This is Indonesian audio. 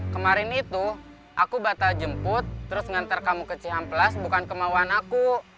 kemarin itu aku batal jemput terus ngantar kamu ke cihamplas bukan kemauan aku